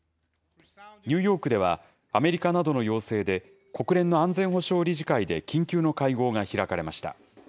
ニューヨークではアメリカなどの要請で、国連の安全保障理事会で緊急の会合が開かれました。